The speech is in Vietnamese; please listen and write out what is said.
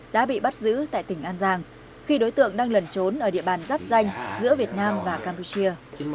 đã bị bắt giữ tại tỉnh an giang khi đối tượng đang lẩn trốn ở địa bàn giáp danh giữa việt nam và campuchia